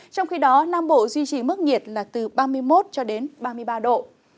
trong khi đó nam bộ duy trì mức nhiệt là từ ba mươi một cho đến ba mươi ba độ